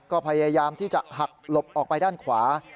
ก็พยายามที่จะหักหลบออกไปด้านขวา